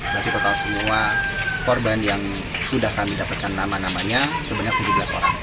berarti total semua korban yang sudah kami dapatkan nama namanya sebenarnya tujuh belas orang